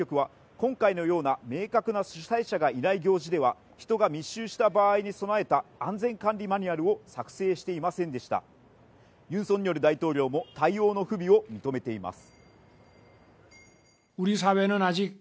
そして警察当局は今回のような明確な主催者がいない行事では人が密集した場合に備えた安全管理マニュアルを作成していませんでしたユン・ソンニョル大統領も対応の不備を認めています